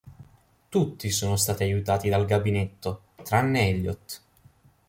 Tutti sono stati aiutati dal gabinetto, tranne Elliot.